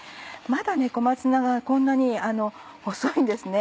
まだ小松菜がこんなに細いんです。